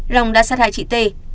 long đã sát hại chị tê